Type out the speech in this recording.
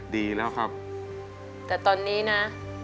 แต่ตอนนี้นะ